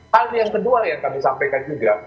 hal yang kedua yang kami sampaikan juga